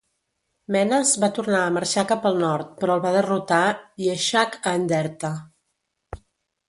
Menas va tornar a marxar cap al nord, però el va derrotar Yeshaq a Enderta.